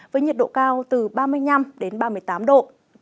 với nhiệt độ cao từ ba mươi năm đến ba mươi tám độ